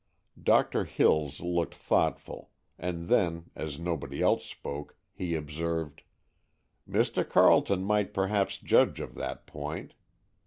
Doctor Hills looked thoughtful, and then, as nobody else spoke, he observed: "Mr. Carleton might perhaps judge of that point.